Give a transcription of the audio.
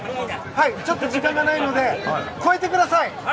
ちょっと時間がないので超えてください！